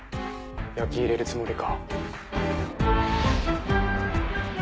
焼き入れるつもりか？